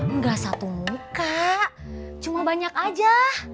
enggak satu muka cuma banyak aja